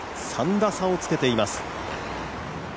３打差をつけています。